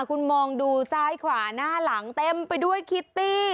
คุณมองดูซ้ายขวาหน้าหลังเต็มไปด้วยคิตตี้